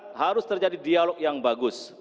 karena harus terjadi dialog yang bagus